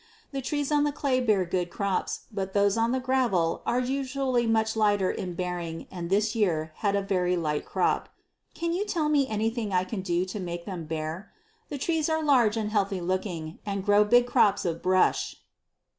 The trees on the clay bear good crops, but those on the gravel are usually much lighter in bearing and this year had a very light crop. Can you tell me of anything I can do to make them bear? The trees are large and healthy looking, and grow big crops of brush.